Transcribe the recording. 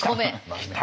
来た！